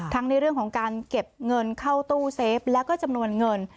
ในเรื่องของการเก็บเงินเข้าตู้เซฟแล้วก็จำนวนเงิน